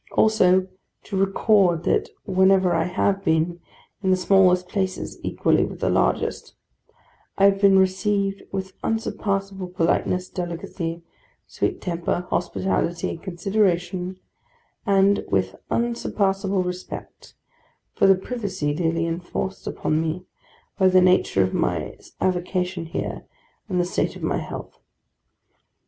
Also, to record that wherever I have been, in the smallest places equally with the largest, I have been received with unsurpassable politeness, delicacy, sweet temper, hospitality, consideration, and with unsurpassable respect for the privacy daily enforced upon me by the nature of my avocation here and the state of my health.